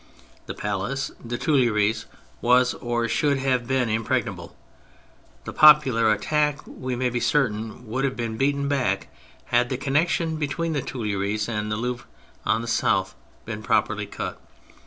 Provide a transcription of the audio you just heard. The palace (the Tuileries) was, or should have been, impregnable. The popular attack, we may be certain, would have been beaten back had the connection between the Tuileries and the Louvre on the south been properly cut.